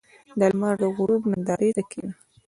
• د لمر د غروب نندارې ته کښېنه.